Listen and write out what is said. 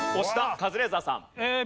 カズレーザーさん。